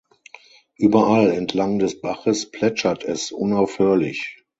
Überall entlang des Baches plätschert es unaufhörlich.